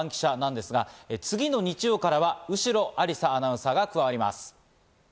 ですが、次の日からは後呂有紗アナウンサーが加わります。